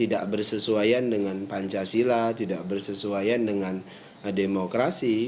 tidak bersesuaian dengan pancasila tidak bersesuaian dengan demokrasi